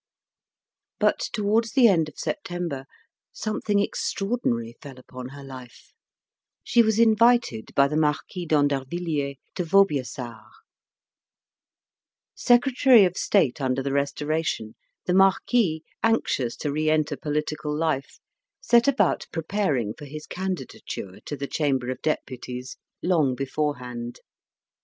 But towards the end of September something extraordinary fell upon her life; she was invited by the Marquis d'Andervilliers to Vaubyessard. Secretary of State under the Restoration, the Marquis, anxious to re enter political life, set about preparing for his candidature to the Chamber of Deputies long beforehand.